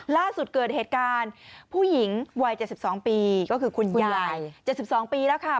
ล่าสุดเกิดเหตุการณ์ผู้หญิงวัย๗๒ปีก็คือคุณยาย๗๒ปีแล้วค่ะ